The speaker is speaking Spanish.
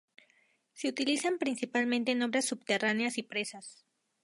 Se utilizan principalmente en obras subterráneas y presas.